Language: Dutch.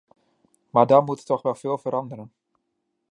Maar dan moet er toch wel veel veranderen.